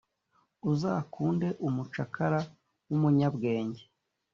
Uzakunde umucakara w’umunyabwenge